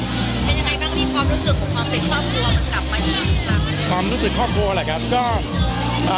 เป็นยังไงบ้างที่ความรู้สึกของความเป็นครอบครัวมันกลับมาดีหรือเปล่า